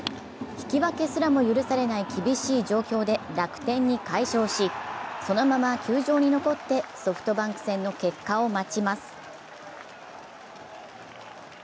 引き分けすらも許されない厳しい状況で楽天に快勝し、そのまま球場に残ってソフトバンク戦の結果を待ちます。